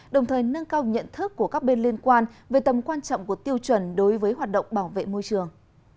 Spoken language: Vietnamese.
đồng thời nâng cao nhận thức của các bên liên quan về tầm quan trọng của tiêu chuẩn đối với hoạt động bảo vệ môi trường